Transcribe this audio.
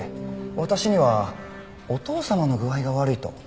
私にはお父様の具合が悪いと。